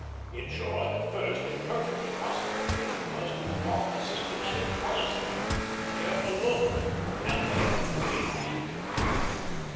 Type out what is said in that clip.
In short, the first and perfectly possible thing was to evolve a systematic policy; a careful look, and then a big leap.